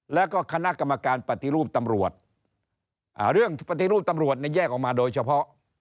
แล้วก็คณะกรรมการปฏิรูปตำรวจเรื่องปฏิรูปตำรวจเนี่ยแยกออกมาโดยเฉพาะ